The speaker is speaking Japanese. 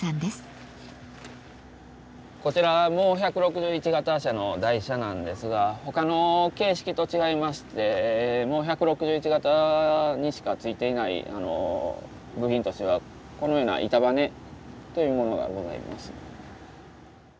こちら「モ１６１形」車の台車なんですが他の形式と違いまして「モ１６１形」にしか付いていない部品としてはこのような板バネというものがございます。